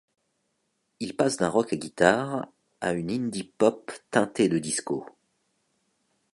Il passe d'un rock à guitare à une indie-pop teinté de disco.